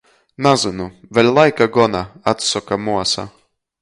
"Nazynu, vēļ laika gona!" atsoka muosa.